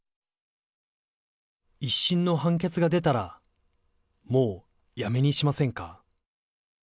１審の判決が出たら、もうやめにしませんか。